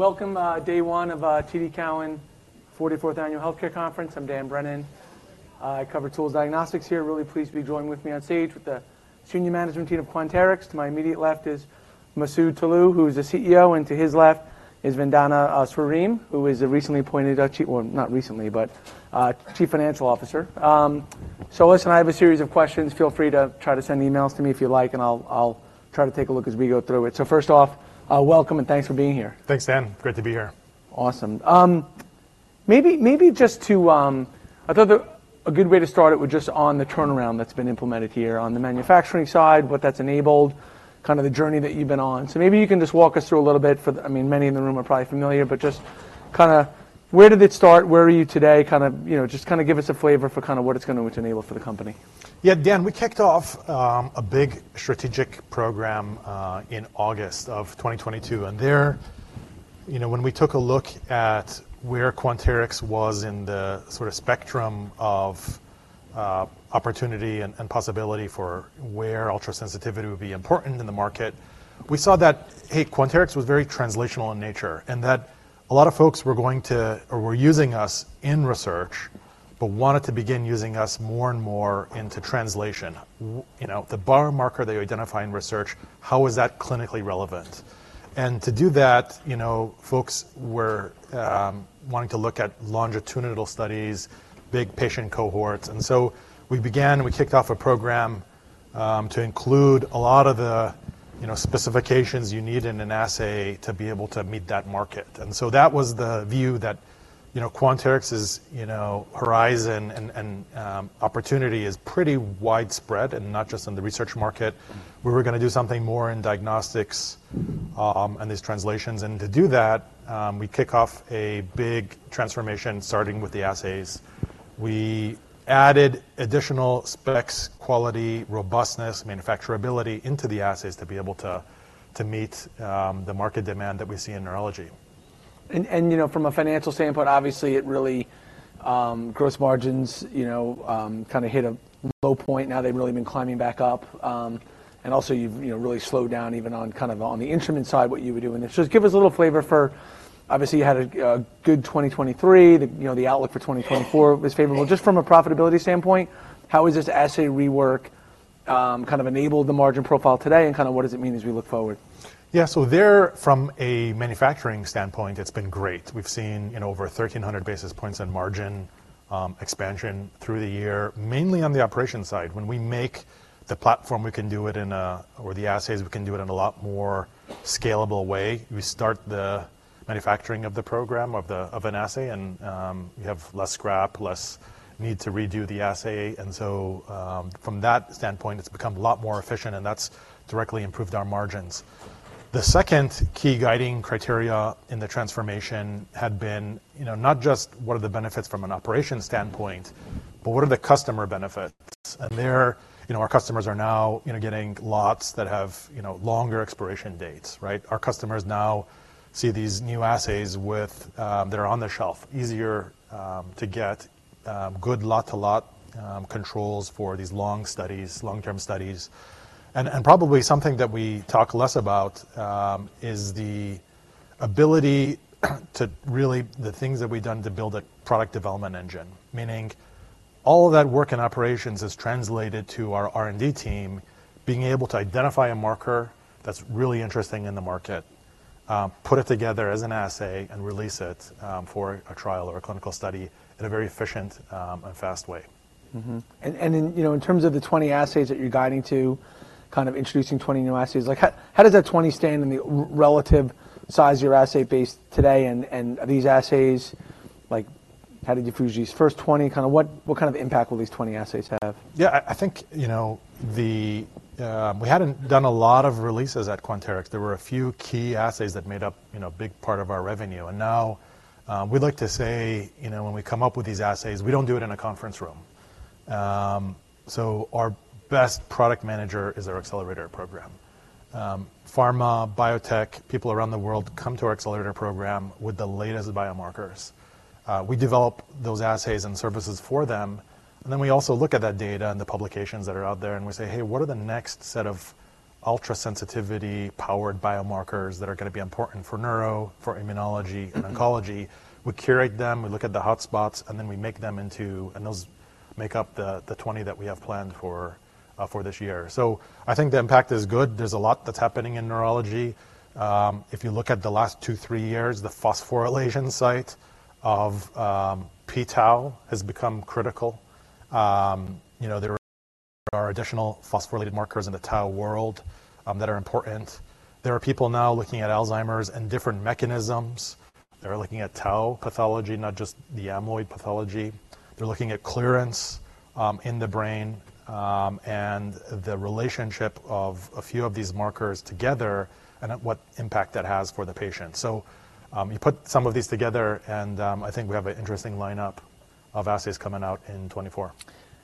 Welcome, day one of the TD Cowen 44th Annual Healthcare Conference. I'm Dan Brennan. I cover tools diagnostics here. Really pleased to be joining with me on stage with the senior management team of Quanterix. To my immediate left is Masoud Toloue, who is the CEO, and to his left is Vandana Sriram, who is a recently appointed chief well, not recently, but, Chief Financial Officer. So, I have a series of questions. Feel free to try to send emails to me if you like, and I'll, I'll try to take a look as we go through it. So first off, welcome and thanks for being here. Thanks, Dan. Great to be here. Awesome. Maybe, maybe just to, I thought that a good way to start it was just on the turnaround that's been implemented here on the manufacturing side, what that's enabled, kind of the journey that you've been on. So maybe you can just walk us through a little bit for the, I mean, many in the room are probably familiar, but just kinda where did it start? Where are you today? Kind of, you know, just kinda give us a flavor for kinda what it's gonna enable for the company. Yeah, Dan, we kicked off a big strategic program in August of 2022. And there, you know, when we took a look at where Quanterix was in the sort of spectrum of opportunity and possibility for where ultrasensitivity would be important in the market, we saw that, hey, Quanterix was very translational in nature and that a lot of folks were going to or were using us in research but wanted to begin using us more and more into translation. We, you know, the biomarker they identify in research, how is that clinically relevant? And to do that, you know, folks were wanting to look at longitudinal studies, big patient cohorts. And so we began and we kicked off a program to include a lot of the, you know, specifications you need in an assay to be able to meet that market. So that was the view that, you know, Quanterix's, you know, horizon and opportunity is pretty widespread and not just in the research market. We were gonna do something more in diagnostics, and these translations. To do that, we kick off a big transformation starting with the assays. We added additional specs, quality, robustness, manufacturability into the assays to be able to meet the market demand that we see in Neurology. You know, from a financial standpoint, obviously, it really gross margins, you know, kinda hit a low point. Now they've really been climbing back up. Also you've, you know, really slowed down even on kind of on the instrument side what you were doing. So just give us a little flavor for obviously, you had a good 2023. You know, the outlook for 2024 was favorable. Just from a profitability standpoint, how has this assay rework, kind of enabled the margin profile today, and kinda what does it mean as we look forward? Yeah, so from a manufacturing standpoint, it's been great. We've seen, you know, over 1,300 basis points in margin expansion through the year, mainly on the operation side. When we make the platform, we can do it in a or the assays, we can do it in a lot more scalable way. We start the manufacturing of the program of the of an assay, and you have less scrap, less need to redo the assay. And so, from that standpoint, it's become a lot more efficient, and that's directly improved our margins. The second key guiding criteria in the transformation had been, you know, not just what are the benefits from an operation standpoint, but what are the customer benefits? And there, you know, our customers are now, you know, getting lots that have, you know, longer expiration dates, right? Our customers now see these new assays with that are on the shelf easier to get good lot-to-lot controls for these long studies, long-term studies. And probably something that we talk less about is the ability to really the things that we've done to build a product development engine, meaning all of that work in operations has translated to our R&D team being able to identify a marker that's really interesting in the market, put it together as an assay, and release it for a trial or a clinical study in a very efficient and fast way. Mm-hmm. And in, you know, in terms of the 20 assays that you're guiding to, kind of introducing 20 new assays, like, how does that 20 stand in the relative size of your assay base today? And are these assays like, how did you produce these first 20? Kinda, what kind of impact will these 20 assays have? Yeah, I think, you know, we hadn't done a lot of releases at Quanterix. There were a few key assays that made up, you know, a big part of our revenue. And now, we like to say, you know, when we come up with these assays, we don't do it in a conference room. So our best product manager is our accelerator program. Pharma, Biotech, people around the world come to our accelerator program with the latest biomarkers. We develop those assays and services for them. And then we also look at that data and the publications that are out there, and we say, "Hey, what are the next set of ultrasensitivity-powered biomarkers that are gonna be important for Neuro, for immunology, and oncology?" We curate them. We look at the hotspots, and then we make them into and those make up the 20 that we have planned for this year. So I think the impact is good. There's a lot that's happening in Neurology. If you look at the last two, three years, the phosphorylation site of p-tau has become critical. You know, there are additional phosphorylated markers in the tau world that are important. There are people now looking at Alzheimer's and different mechanisms. They're looking at tau pathology, not just the amyloid pathology. They're looking at clearance in the brain, and the relationship of a few of these markers together and what impact that has for the patient. So, you put some of these together, and I think we have a interesting lineup of assays coming out in 2024.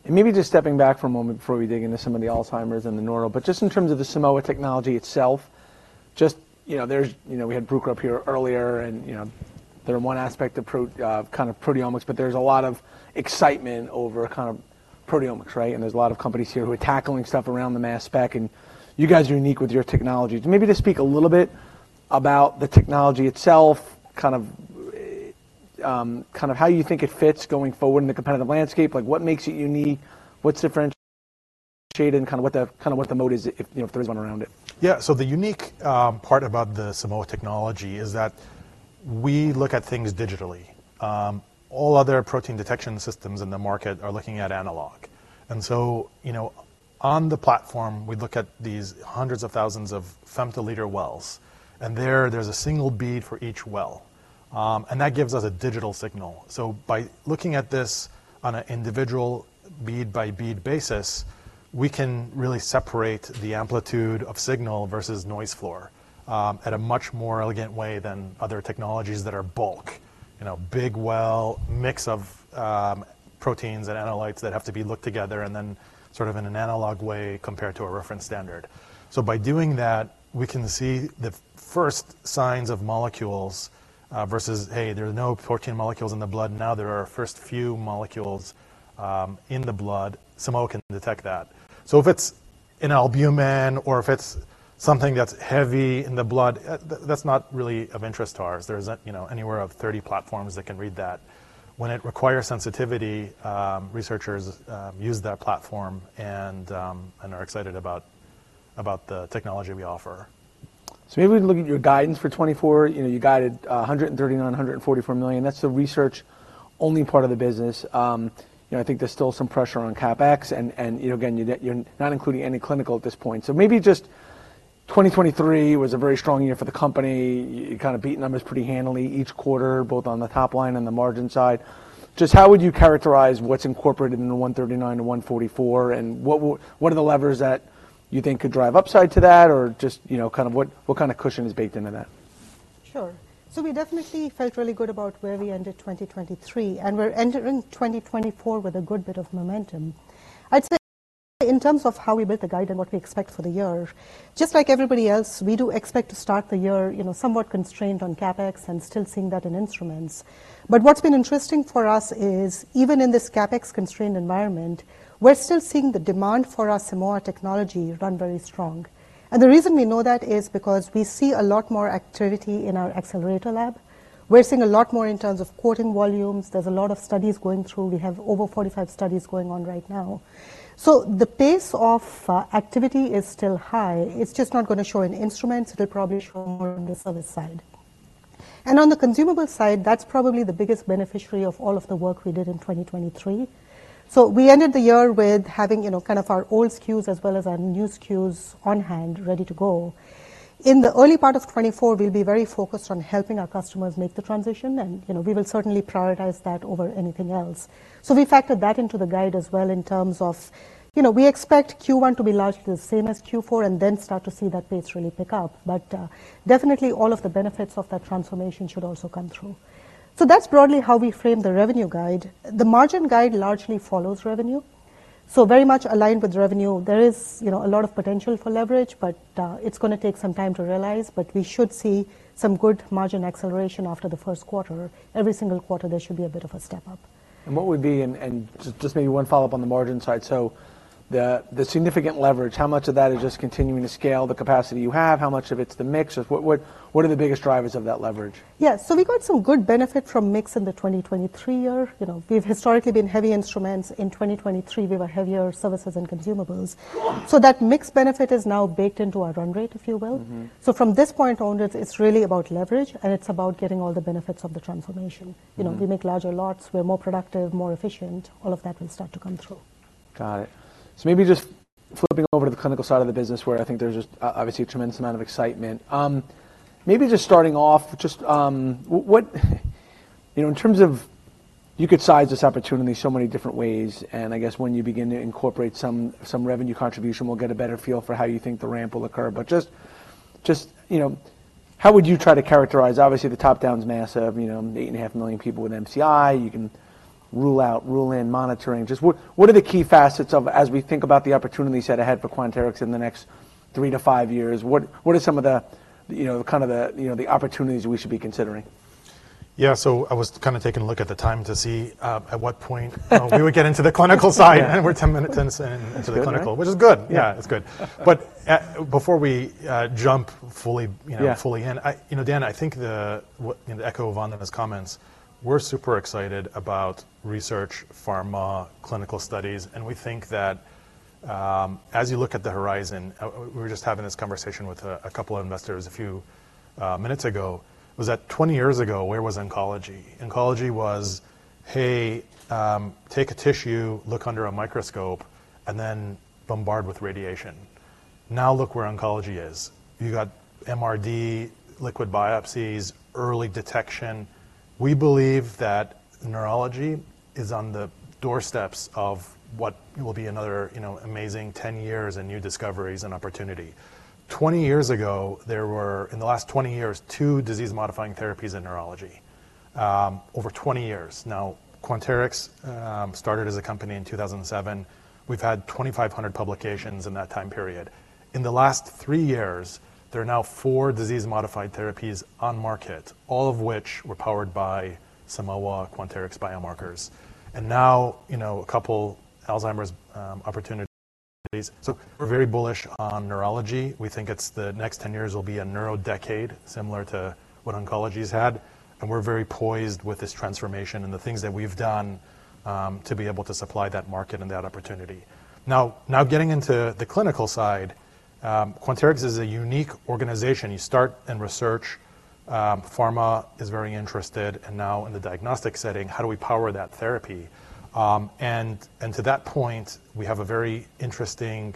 And maybe just stepping back for a moment before we dig into some of the Alzheimer's and the Neuro, but just in terms of the Simoa technology itself, just, you know, there's you know, we had Bruker up here earlier, and, you know, they're one aspect of proteomics, but there's a lot of excitement over kind of proteomics, right? And there's a lot of companies here who are tackling stuff around the mass spec. And you guys are unique with your technology. Maybe just speak a little bit about the technology itself, kind of, kind of how you think it fits going forward in the competitive landscape. Like, what makes it unique? What's differentiating kind of what the kind of what the moat is if, you know, if there is one around it? Yeah, so the unique part about the Simoa technology is that we look at things digitally. All other protein detection systems in the market are looking at analog. And so, you know, on the platform, we look at these hundreds of thousands of femtoliter wells. And there, there's a single bead for each well. And that gives us a digital signal. So by looking at this on an individual bead-by-bead basis, we can really separate the amplitude of signal versus noise floor, at a much more elegant way than other technologies that are bulk, you know, big well, mix of proteins and analytes that have to be looked together and then sort of in an analog way compared to a reference standard. So by doing that, we can see the first signs of molecules, versus, "Hey, there are no protein molecules in the blood. Now there are first few molecules, in the blood. Simoa can detect that. So if it's an albumin or if it's something that's heavy in the blood, that's not really of interest to ours. There isn't, you know, anywhere of 30 platforms that can read that. When it requires sensitivity, researchers use that platform and are excited about the technology we offer. So maybe we can look at your guidance for 2024. You know, you guided $139 million-$144 million. That's the research-only part of the business. You know, I think there's still some pressure on CapEx. And, you know, again, you're not including any clinical at this point. So maybe just 2023 was a very strong year for the company. You kinda beat numbers pretty handily each quarter, both on the top line and the margin side. Just how would you characterize what's incorporated in the $139 million-$144 million, and what are the levers that you think could drive upside to that, or just, you know, kind of what kinda cushion is baked into that? Sure. So we definitely felt really good about where we ended 2023, and we're entering 2024 with a good bit of momentum. I'd say in terms of how we built the guide and what we expect for the year, just like everybody else, we do expect to start the year, you know, somewhat constrained on CapEx and still seeing that in instruments. But what's been interesting for us is even in this CapEx-constrained environment, we're still seeing the demand for our Simoa technology run very strong. And the reason we know that is because we see a lot more activity in our accelerator lab. We're seeing a lot more in terms of quoting volumes. There's a lot of studies going through. We have over 45 studies going on right now. So the pace of activity is still high. It's just not gonna show in instruments. It'll probably show more on the service side. On the consumable side, that's probably the biggest beneficiary of all of the work we did in 2023. We ended the year with having, you know, kind of our old SKUs as well as our new SKUs on hand, ready to go. In the early part of 2024, we'll be very focused on helping our customers make the transition, and, you know, we will certainly prioritize that over anything else. We factored that into the guide as well in terms of, you know, we expect Q1 to be largely the same as Q4 and then start to see that pace really pick up. But, definitely, all of the benefits of that transformation should also come through. That's broadly how we frame the revenue guide. The margin guide largely follows revenue, so very much aligned with revenue. There is, you know, a lot of potential for leverage, but, it's gonna take some time to realize. But we should see some good margin acceleration after the first quarter. Every single quarter, there should be a bit of a step up. And what would be, just maybe one follow-up on the margin side. So the significant leverage, how much of that is just continuing to scale the capacity you have? How much of it's the mix? What are the biggest drivers of that leverage? Yeah, so we got some good benefit from mix in the 2023 year. You know, we've historically been heavy instruments. In 2023, we were heavier services and consumables. So that mix benefit is now baked into our run rate, if you will. Mm-hmm. From this point onward, it's really about leverage, and it's about getting all the benefits of the transformation. You know, we make larger lots. We're more productive, more efficient. All of that will start to come through. Got it. So maybe just flipping over to the clinical side of the business where I think there's just, obviously, a tremendous amount of excitement. Maybe just starting off, just what, you know, in terms of you could size this opportunity so many different ways. And I guess when you begin to incorporate some revenue contribution, we'll get a better feel for how you think the ramp will occur. But just, you know, how would you try to characterize obviously, the top-down's massive, you know, 8.5 million people with MCI. You can rule out, rule in monitoring. Just what are the key facets of as we think about the opportunities set ahead for Quanterix in the next three-five years? What are some of the, you know, the kind of the, you know, the opportunities we should be considering? Yeah, so I was kinda taking a look at the time to see at what point we would get into the clinical side. And we're 10 minutes in into the clinical, which is good. Yeah, it's good. But before we jump fully, you know, fully in, I you know, Dan, I think the what you know, the echo of Vandana's comments, we're super excited about research, pharma, clinical studies. And we think that as you look at the horizon we were just having this conversation with a couple of investors a few minutes ago. It was that 20 years ago, where was oncology? Oncology was, "Hey, take a tissue, look under a microscope, and then bombard with radiation." Now look where oncology is. You got MRD, liquid biopsies, early detection. We believe that Neurology is on the doorsteps of what will be another, you know, amazing 10 years and new discoveries and opportunity. 20 years ago, there were in the last 20 years, two disease-modifying therapies in Neurology, over 20 years. Now, Quanterix, started as a company in 2007. We've had 2,500 publications in that time period. In the last three years, there are now four disease-modified therapies on market, all of which were powered by Simoa, Quanterix biomarkers. And now, you know, a couple Alzheimer's, opportunities. So we're very bullish on Neurology. We think it's the next 10 years will be a NeuroDecade, similar to what oncology's had. And we're very poised with this transformation and the things that we've done, to be able to supply that market and that opportunity. Now, now getting into the clinical side, Quanterix is a unique organization. You start in research. Pharma is very interested. And now in the diagnostic setting, how do we power that therapy? To that point, we have a very interesting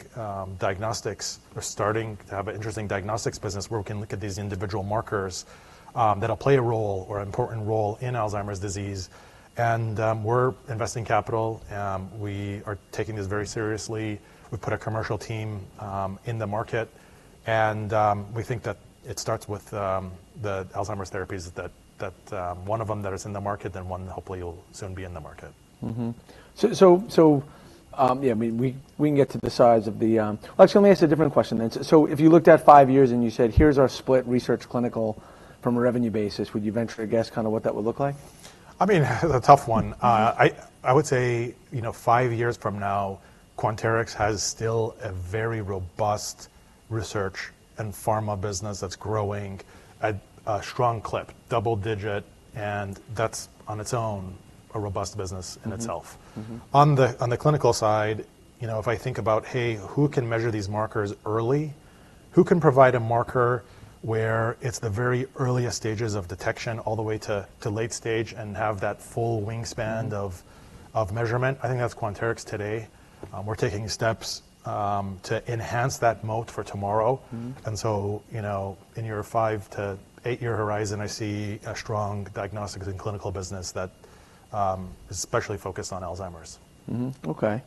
diagnostics. We're starting to have an interesting diagnostics business where we can look at these individual markers that'll play a role or an important role in Alzheimer's disease. And we're investing capital. We are taking this very seriously. We've put a commercial team in the market. And we think that it starts with the Alzheimer's therapies that one of them that is in the market, then one hopefully will soon be in the market. Mm-hmm. So, yeah, I mean, we can get to the size of the, well, actually, let me ask a different question then. So, if you looked at five years and you said, "Here's our split research-clinical from a revenue basis," would you venture to guess kinda what that would look like? I mean, that's a tough one. I, I would say, you know, five years from now, Quanterix has still a very robust research and pharma business that's growing at a strong clip, double-digit. And that's on its own a robust business in itself. Mm-hmm. Mm-hmm. On the clinical side, you know, if I think about, "Hey, who can measure these markers early? Who can provide a marker where it's the very earliest stages of detection all the way to late stage and have that full wingspan of measurement?" I think that's Quanterix today. We're taking steps to enhance that moat for tomorrow. Mm-hmm. you know, in tfive-eight-year horizon, I see a strong diagnostics and clinical business that is especially focused on Alzheimer's. Mm-hmm. Okay.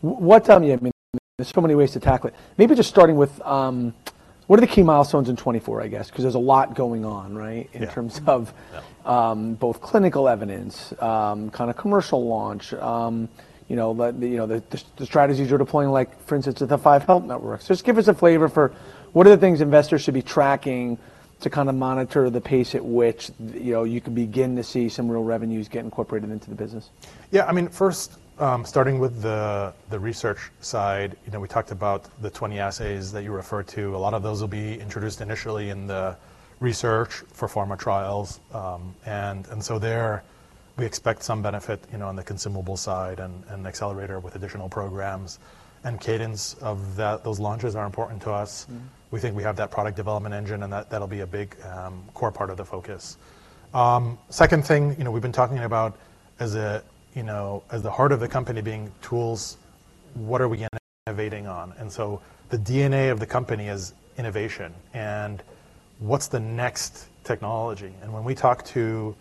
What, I mean, there's so many ways to tackle it. Maybe just starting with what are the key milestones in 2024, I guess, 'cause there's a lot going on, right, in terms of both clinical evidence, kinda commercial launch, you know, the strategies you're deploying, like, for instance, with the five health networks. Just give us a flavor for what are the things investors should be tracking to kinda monitor the pace at which, you know, you can begin to see some real revenues get incorporated into the business? Yeah, I mean, first, starting with the research side, you know, we talked about the 20 assays that you referred to. A lot of those will be introduced initially in the research for pharma trials. And so there, we expect some benefit, you know, on the consumable side and accelerator with additional programs. And cadence of that launches are important to us. Mm-hmm. We think we have that product development engine, and that, that'll be a big, core part of the focus. Second thing, you know, we've been talking about as, you know, as the heart of the company being tools, what are we innovating on? And so the DNA of the company is innovation. And what's the next technology? And when we talk to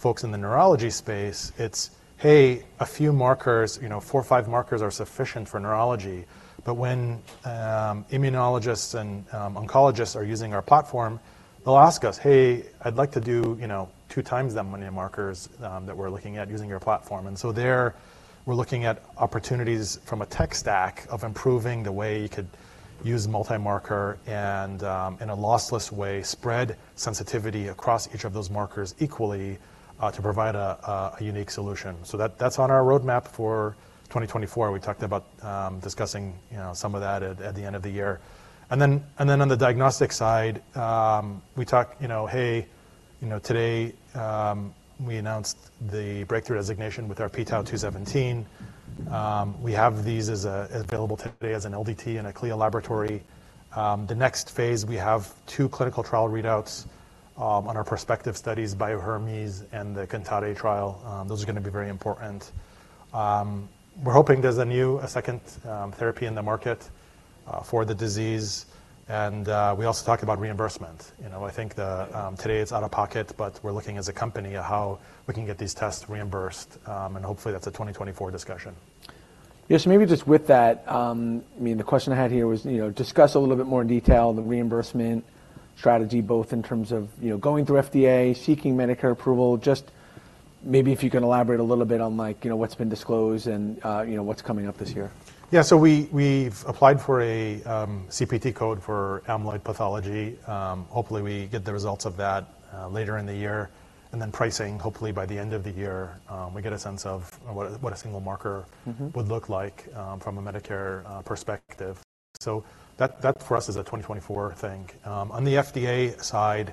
folks in the Neurology space, it's, "Hey, a few markers, you know, four or five markers are sufficient for Neurology." But when Immunologists and Oncologists are using our platform, they'll ask us, "Hey, I'd like to do, you know, two times that many markers that we're looking at using your platform." And so there, we're looking at opportunities from a tech stack of improving the way you could use multi-marker and, in a lossless way, spread sensitivity across each of those markers equally, to provide a unique solution. So that's on our roadmap for 2024. We talked about discussing, you know, some of that at the end of the year. And then on the Diagnostic side, we talk, you know, "Hey, you know, today, we announced the Breakthrough Designation with our 217. We have these as available today as an LDT in a CLIA laboratory. The next phase, we have two clinical trial readouts on our prospective studies, Bio-Hermes and the CANTATE trial. Those are gonna be very important. We're hoping there's a new a second therapy in the market for the disease. We also talk about reimbursement. You know, I think the today, it's out of pocket, but we're looking as a company at how we can get these tests reimbursed, and hopefully that's a 2024 discussion. Yeah, so maybe just with that, I mean, the question I had here was, you know, discuss a little bit more in detail the reimbursement strategy, both in terms of, you know, going through FDA, seeking Medicare approval, just maybe if you can elaborate a little bit on, like, you know, what's been disclosed and, you know, what's coming up this year. Yeah, so we've applied for a CPT code for amyloid pathology. Hopefully, we get the results of that later in the year. And then pricing, hopefully, by the end of the year, we get a sense of what a single marker. Mm-hmm. Would look like, from a Medicare perspective. So that for us is a 2024 thing. On the FDA side,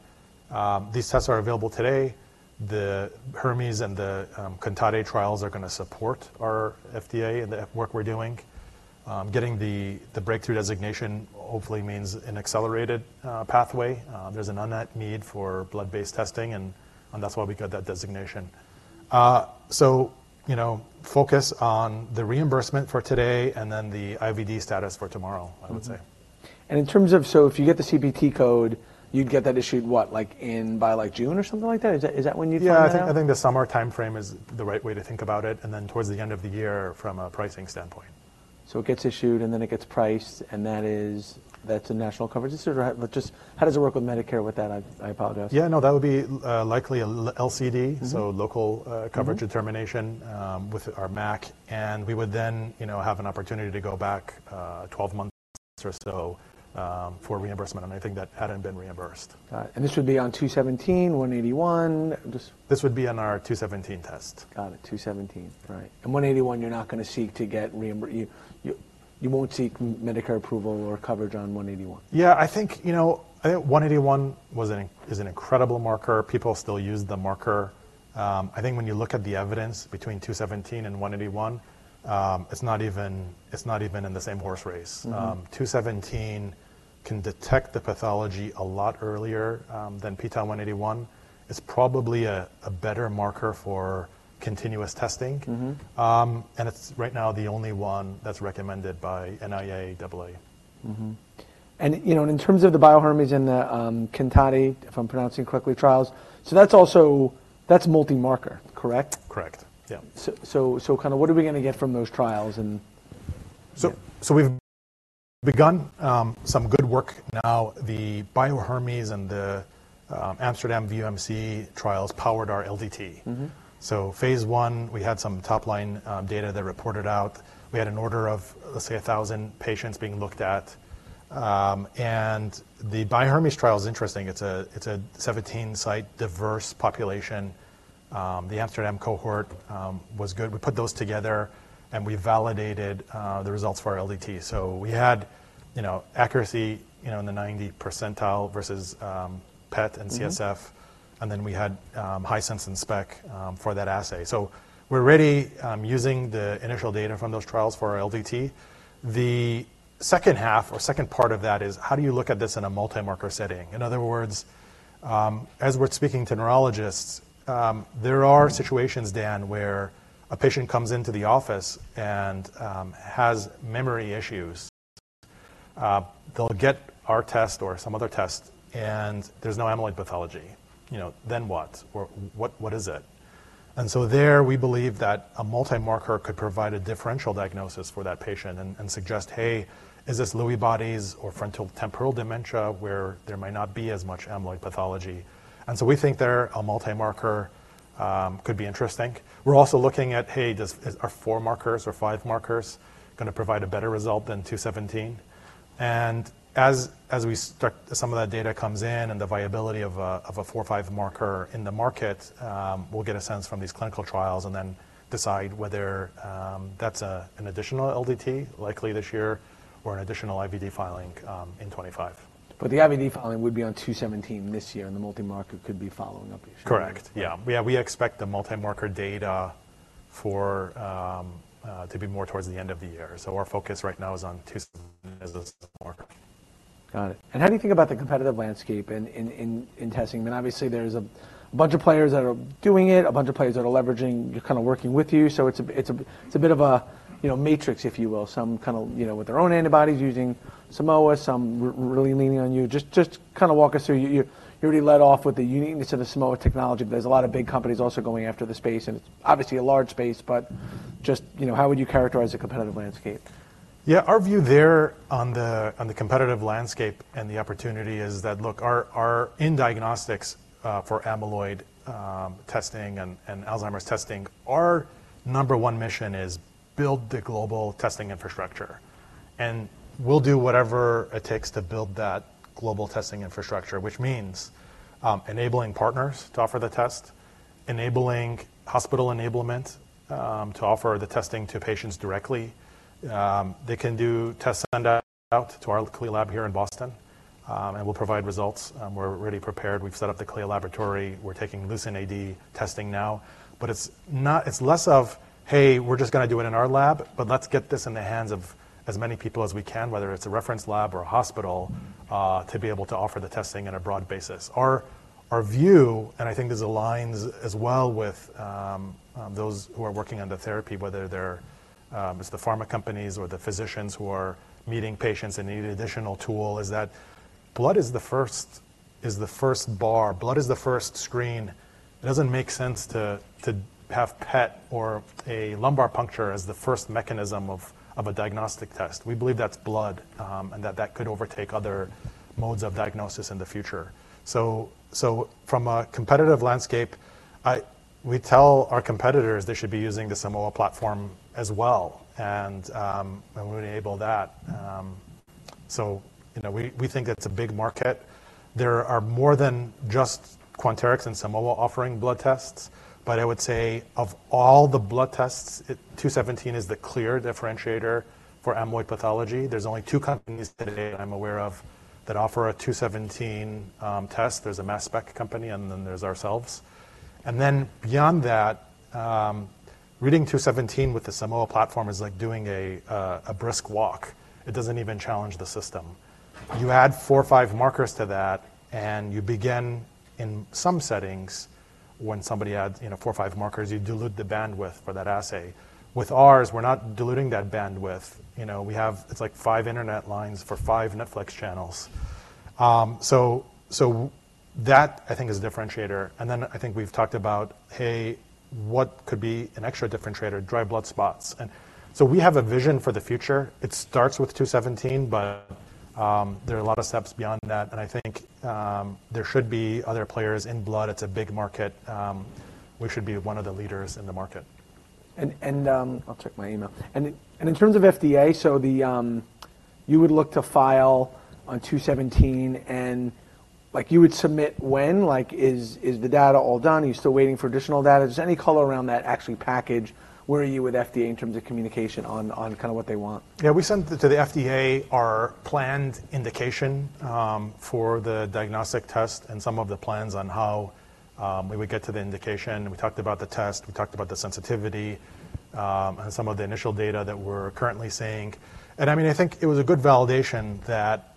these tests are available today. The Hermes and the CANTATE trials are gonna support our FDA and the work we're doing. Getting the breakthrough designation, hopefully, means an accelerated pathway. There's an unmet need for blood-based testing, and that's why we got that designation. So, you know, focus on the reimbursement for today and then the IVD status for tomorrow, I would say. Mm-hmm. In terms of, so if you get the CPT code, you'd get that issued what, like, in by, like, June or something like that? Is that when you'd plan to have that? Yeah, I think I think the summer timeframe is the right way to think about it. And then towards the end of the year from a pricing standpoint. So it gets issued, and then it gets priced. And that is, that's a national coverage. Is there just how does it work with Medicare with that? I apologize. Yeah, no, that would be likely an LCD, so local coverage determination, with our MAC. And we would then, you know, have an opportunity to go back 12 months or so for reimbursement. And I think that hadn't been reimbursed. Got it. And this would be on 217, 181? Just. This would be on our 217 test. Got it, 217, right. And 181, you're not gonna seek to get reimbursement? You won't seek Medicare approval or coverage on 181? Yeah, I think, you know, I think 181 was, it is an incredible marker. People still use the marker. I think when you look at the evidence between 217 and 181, it's not even in the same horse race. Mm-hmm. 217 can detect the pathology a lot earlier than p-tau 181. It's probably a better marker for continuous testing. Mm-hmm. It's right now the only one that's recommended by NIA-AA. Mm-hmm. And, you know, and in terms of the Bio-Hermes and the, CANTATE, if I'm pronouncing correctly, trials, so that's also that's multi-marker, correct? Correct, yeah. So, kinda what are we gonna get from those trials and? We've begun some good work now. The Bio-Hermes and the Amsterdam UMC trials powered our LDT. Mm-hmm. So phase one, we had some top-line data that reported out. We had an order of, let's say, 1,000 patients being looked at. And the Bio-Hermes trial's interesting. It's a 17-site, diverse population. The Amsterdam cohort was good. We put those together, and we validated the results for our LDT. So we had, you know, accuracy, you know, in the 90th percentile versus PET and CSF. And then we had high sense and spec for that assay. So we're already using the initial data from those trials for our LDT. The second half or second part of that is, how do you look at this in a multi-marker setting? In other words, as we're speaking to Neurologists, there are situations, Dan, where a patient comes into the office and has memory issues. They'll get our test or some other test, and there's no amyloid pathology. You know, then what? Or what, what is it? And so there, we believe that a multi-marker could provide a differential diagnosis for that patient and suggest, "Hey, is this Lewy bodies or frontotemporal dementia where there might not be as much amyloid pathology?" And so we think there, a multi-marker, could be interesting. We're also looking at, "Hey, does four markers or five markers gonna provide a better result than 217?" And as we start some of that data comes in and the viability of a four or five marker in the market, we'll get a sense from these clinical trials and then decide whether that's an additional LDT likely this year or an additional IVD filing, in 2025. But the IVD filing would be on 217 this year, and the multi-marker could be following up this year. Correct, yeah. Yeah, we expect the multi-marker data for, to be more towards the end of the year. So our focus right now is on 217 as a marker. Got it. How do you think about the competitive landscape in testing? I mean, obviously, there's a bunch of players that are doing it, a bunch of players that are leveraging, kinda working with you. So it's a bit of a, you know, matrix, if you will, some kinda, you know, with their own antibodies using Simoa, some really leaning on you. Just kinda walk us through. You already led off with the uniqueness of the Simoa technology, but there's a lot of big companies also going after the space. It's obviously a large space, but just, you know, how would you characterize the competitive landscape? Yeah, our view there on the competitive landscape and the opportunity is that, look, our in diagnostics, for amyloid testing and Alzheimer's testing, our number one mission is build the global testing infrastructure. And we'll do whatever it takes to build that global testing infrastructure, which means enabling partners to offer the test, enabling hospital enablement to offer the testing to patients directly. They can do tests sent out to our CLIA lab here in Boston. We'll provide results. We're ready prepared. We've set up the CLIA laboratory. We're taking LucentAD testing now. But it's not, it's less of, "Hey, we're just gonna do it in our lab, but let's get this in the hands of as many people as we can, whether it's a reference lab or a hospital, to be able to offer the testing on a broad basis." Our view, and I think this aligns as well with those who are working on the therapy, whether they're, it's the pharma companies or the physicians who are meeting patients and need an additional tool, is that blood is the first bar. Blood is the first screen. It doesn't make sense to have PET or a lumbar puncture as the first mechanism of a diagnostic test. We believe that's blood, and that could overtake other modes of diagnosis in the future. So, from a competitive landscape, I tell our competitors they should be using the Simoa platform as well. And we enable that. So, you know, we think it's a big market. There are more than just Quanterix and Simoa offering blood tests. But I would say, of all the blood tests, p-tau 217 is the clear differentiator for amyloid pathology. There's only two companies today that I'm aware of that offer a p-tau 217 test. There's a mass spec company, and then there's ourselves. And then beyond that, reading p-tau 217 with the Simoa platform is like doing a brisk walk. It doesn't even challenge the system. You add four or five markers to that, and you begin in some settings, when somebody adds, you know, four or five markers, you dilute the bandwidth for that assay. With ours, we're not diluting that bandwidth. You know, we have it's like five internet lines for five Netflix channels. So, so that, I think, is a differentiator. And then I think we've talked about, "Hey, what could be an extra differentiator? Dry blood spots." And so we have a vision for the future. It starts with 217, but, there are a lot of steps beyond that. And I think, there should be other players in blood. It's a big market. We should be one of the leaders in the market. I'll check my email. And in terms of FDA, so you would look to file on 217. Like, you would submit when? Like, is the data all done? Are you still waiting for additional data? Do you have any color around that actual package? Where are you with FDA in terms of communication on kinda what they want? Yeah, we sent to the FDA our planned indication for the diagnostic test and some of the plans on how we would get to the indication. We talked about the test. We talked about the sensitivity, and some of the initial data that we're currently seeing. And I mean, I think it was a good validation that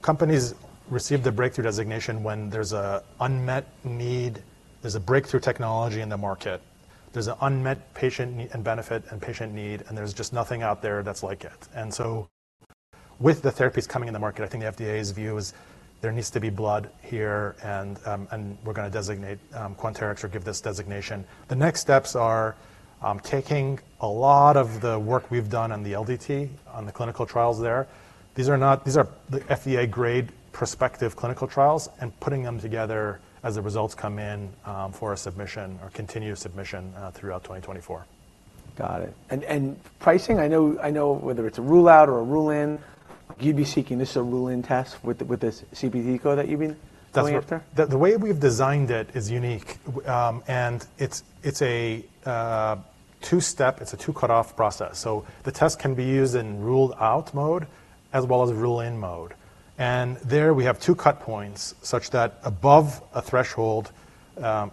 companies receive the breakthrough designation when there's an unmet need. There's a breakthrough technology in the market. There's an unmet patient need and benefit and patient need, and there's just nothing out there that's like it. And so with the therapies coming in the market, I think the FDA's view is, "There needs to be blood here, and we're gonna designate Quanterix or give this designation." The next steps are taking a lot of the work we've done on the LDT, on the clinical trials there. These are the FDA-grade prospective clinical trials, and putting them together as the results come in, for a submission or continuous submission, throughout 2024. Got it. Pricing? I know whether it's a rule-out or a rule-in. You'd be seeking this is a rule-in test with this CPT code that you've been pulling after? That's the way we've designed it is unique. And it's a two-step, two-cut-off process. So the test can be used in rule-out mode as well as rule-in mode. And there, we have two cut points such that above a threshold,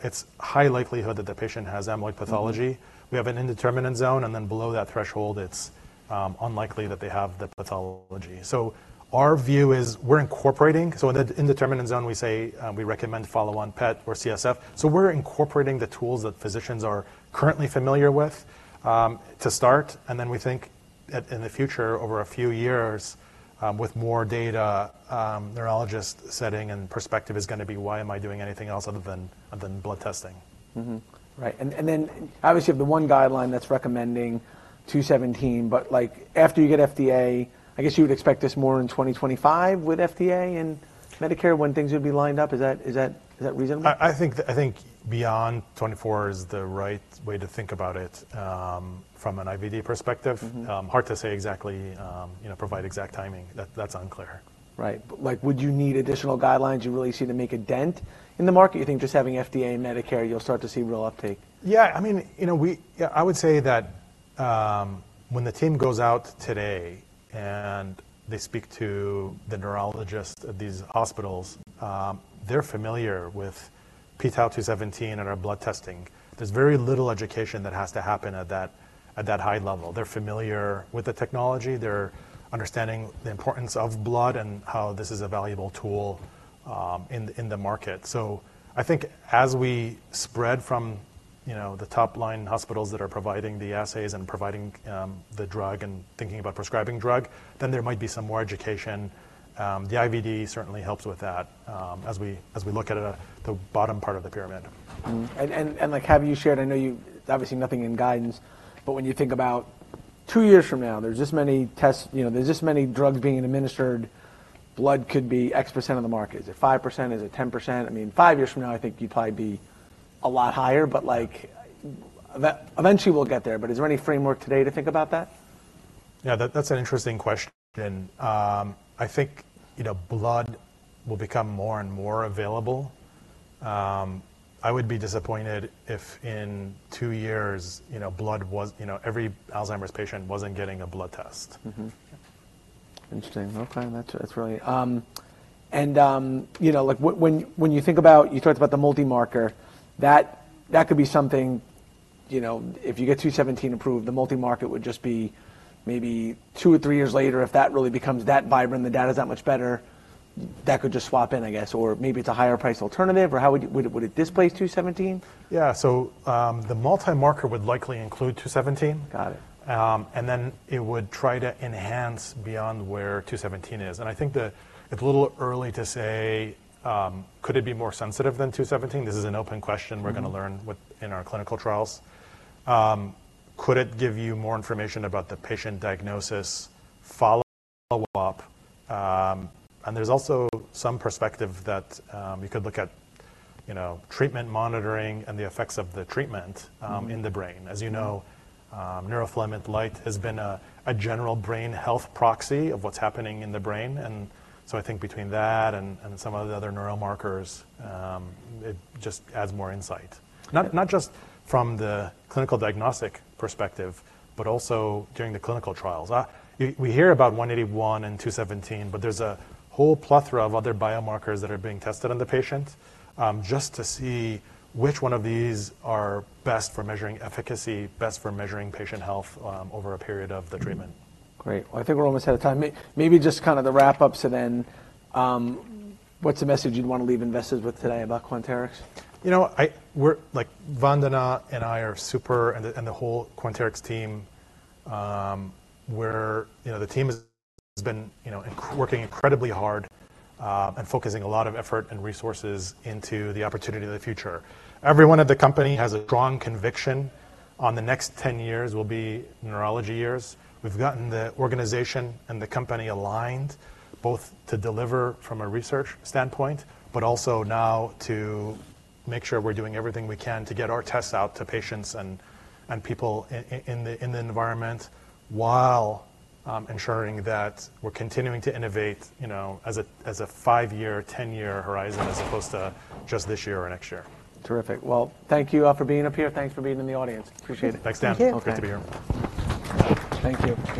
it's high likelihood that the patient has amyloid pathology. We have an indeterminate zone. And then below that threshold, it's unlikely that they have the pathology. So our view is, in the indeterminate zone, we say, we recommend follow-on PET or CSF. So we're incorporating the tools that physicians are currently familiar with, to start. And then we think, in the future, over a few years, with more data, Neurologist setting and perspective is gonna be, "Why am I doing anything else other than blood testing? Mm-hmm, right. And then obviously, you have the one guideline that's recommending 217. But, like, after you get FDA, I guess you would expect this more in 2025 with FDA and Medicare when things would be lined up. Is that reasonable? I think beyond 2024 is the right way to think about it, from an IVD perspective. Mm-hmm. Hard to say exactly, you know, provide exact timing. That, that's unclear. Right. But, like, would you need additional guidelines? You really need to make a dent in the market? You think just having FDA and Medicare, you'll start to see real uptake? Yeah, I mean, you know, we, yeah, I would say that, when the team goes out today and they speak to the Neurologists at these hospitals, they're familiar with p-tau 217 and our blood testing. There's very little education that has to happen at that high level. They're familiar with the technology. They're understanding the importance of blood and how this is a valuable tool, in the market. So I think as we spread from, you know, the topline hospitals that are providing the assays and providing the drug and thinking about prescribing drug, then there might be some more education. The IVD certainly helps with that, as we look at it at the bottom part of the pyramid. Like, have you shared? I know, obviously nothing in guidance. But when you think about two years from now, there's this many tests, you know, there's this many drugs being administered. Blood could be X percent of the market. Is it 5%? Is it 10%? I mean, five years from now, I think you'd probably be a lot higher. But, like, eventually, we'll get there. But is there any framework today to think about that? Yeah, that's an interesting question. I think, you know, blood will become more and more available. I would be disappointed if in two years, you know, blood was you know, every Alzheimer's patient wasn't getting a blood test. Mm-hmm, interesting. Okay. That's really, you know, like, when, when you think about, you talked about the multi-marker. That could be something, you know, if you get 217 approved, the multi-marker would just be maybe two or three years later. If that really becomes that vibrant and the data's that much better, that could just swap in, I guess. Or maybe it's a higher-priced alternative. Or how would it displace 217? Yeah, so the multi-marker would likely include 217. Got it. And then it would try to enhance beyond where 217 is. And I think it's a little early to say, "Could it be more sensitive than 217?" This is an open question. We're gonna learn within our clinical trials. "Could it give you more information about the patient diagnosis, follow-up?" And there's also some perspective that you could look at, you know, treatment monitoring and the effects of the treatment in the brain. As you know, neurofilament light has been a general brain health proxy of what's happening in the brain. And so I think between that and some of the other Neuromarkers, it just adds more insight, not just from the clinical diagnostic perspective, but also during the clinical trials. know, we hear about 181 and 217, but there's a whole plethora of other biomarkers that are being tested on the patient, just to see which one of these are best for measuring efficacy, best for measuring patient health, over a period of the treatment. Great. Well, I think we're almost out of time. Maybe just kinda the wrap-up. So then, what's the message you'd wanna leave investors with today about Quanterix? You know, we're like, Vandana and I are super and the whole Quanterix team. We're, you know, the team has been, you know, working incredibly hard, and focusing a lot of effort and resources into the opportunity of the future. Everyone at the company has a strong conviction on the next 10 years will be Neurology years. We've gotten the organization and the company aligned, both to deliver from a research standpoint, but also now to make sure we're doing everything we can to get our tests out to patients and people in the environment while ensuring that we're continuing to innovate, you know, as a five-year, 10-year horizon as opposed to just this year or next year. Terrific. Well, thank you for being up here. Thanks for being in the audience. Appreciate it. Thanks, Dan. Thank you. Take care. Great to be here. Thank you.